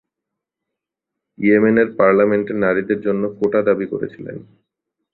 ইয়েমেনের পার্লামেন্টে নারীদের জন্য কোটা দাবি করেছিলেন।